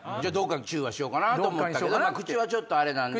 チュしようかなと思ったけど口はちょっとあれなんで。